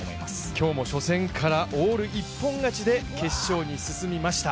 今日も初戦からオール一本勝ちで決勝に進みました。